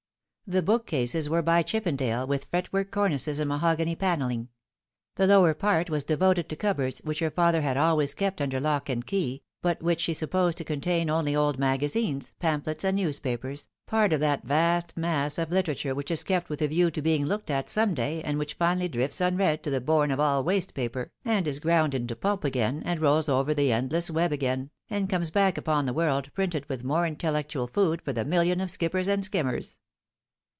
The bookcases were by Chippendale, with fretwork cornices and mahogany panelling. The lower part was devoted to cup boards, which her father had always kept under lock and key, but which she supposed to contain only old magazines, pamphlets, and newspapers, part of that vast mass of literature which is kept with a view to being looked at some day, and which finally drifts unread to the bourne of all waste paper, Litera Scripta Manet. 329 and is ground into pulp again, and rolls over the endless web again, and comes back upon the world printed with iflore intel lectual food for the million of skippers and skimmers.